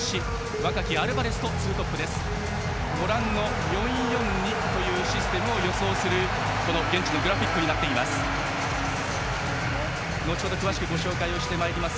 ご覧の４−４−２というシステムを予想するグラフィックになっています。